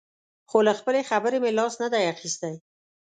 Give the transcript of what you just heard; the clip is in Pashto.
خو له خپلې خبرې مې لاس نه دی اخیستی.